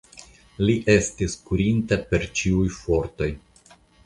Li estis kurinta per ĉiuj fortoj.